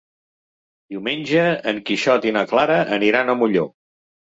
Diumenge en Quixot i na Clara aniran a Molló.